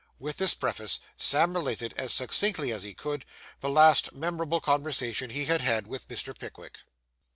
With this preface, Sam related, as succinctly as he could, the last memorable conversation he had had with Mr. Pickwick.